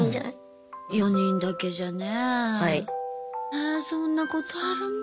えそんなことあるんだ。